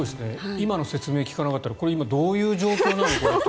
今の説明聞かなかったらこれ、どういう状況なのかなと。